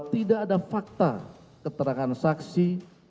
tidak ada fakta keterangan saksi